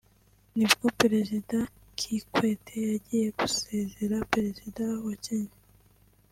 nibwo Perezida Kikwete yagiye gusezera Perezida wa Kenya